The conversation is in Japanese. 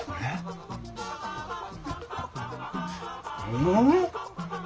うん？